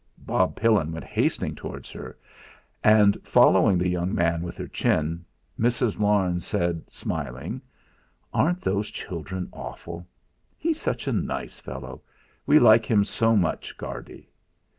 Bob Pillin went hastening towards her; and following the young man with her chin, Mrs. Larne said, smiling: "Aren't those children awful? He's such a nice fellow. We like him so much, Guardy."